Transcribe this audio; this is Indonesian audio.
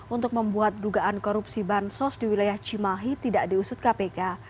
untuk membuat dugaan korupsi bansos di wilayah cimahi tidak diusut kpk